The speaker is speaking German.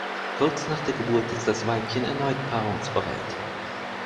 Kurz nach der Geburt ist das Weibchen erneut paarungsbereit.